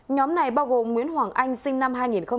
nhóm này bao gồm nguyễn hoàng anh sinh năm hai nghìn